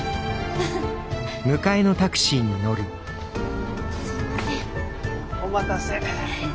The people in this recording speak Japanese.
お待たせ。